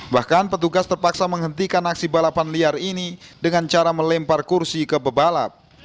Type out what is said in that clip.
bahkan petugas terpaksa menghentikan aksi balapan liar ini dengan cara melempar kursi ke pebalap